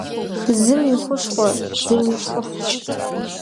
Зым и хущхъуэ зым и щхъухьщ.